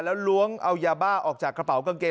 แล้วล้วงเอายาบ้าออกจากกระเป๋ากางเกง